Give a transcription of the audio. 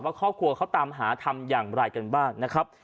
ครอบครัวเขาตามหาทำอย่างไรกันบ้างนะครับ